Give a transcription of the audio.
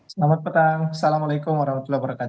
selamat petang assalamualaikum warahmatullahi wabarakatuh